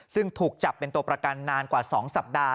ซึ่งถูกจับเป็นตัวประกันนานกว่า๒สัปดาห์